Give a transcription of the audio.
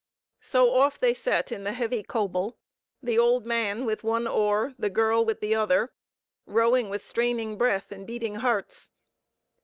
So off they set in the heavy coble, the old man with one oar, the girl with the other, rowing with straining breath and beating hearts.